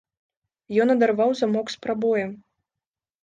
Ён адарваў замок з прабоем.